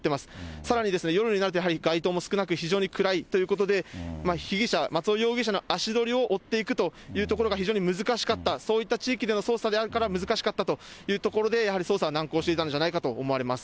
さらに夜になるとやはり街灯も少なく、非常に暗いということで、被疑者、松尾容疑者の足取りを追っていくというところが非常に難しかった、そういった地域での捜査であるから難しかったというところでやはり、捜査は難航していたんじゃないかと思われます。